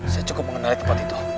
saya cukup mengenali tempat itu